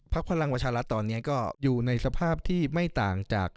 พลักษณ์พลังวชลัดตอนนี้ก็อยู่ในสภาพที่ไม่ต่างจาก